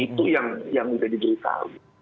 itu yang sudah diberi tahu